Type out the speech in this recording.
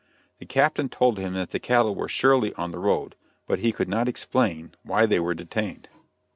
The Captain told him that the cattle were surely on the road, but he could not explain why they were detained.